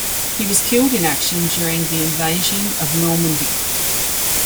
He was killed in action during the invasion of Normandy.